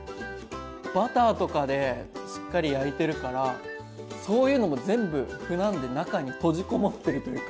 バターとかでしっかり焼いてるからそういうのも全部麩なんで中に閉じこもってるというか。